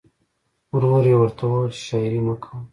ورور یې ورته وویل چې شاعري مه کوه